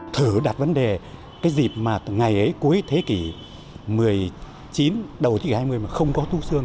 thử đặt vấn đề cái dịp mà ngày ấy cuối thế kỷ một mươi chín đầu thế kỷ hai mươi mà không có thuốc sương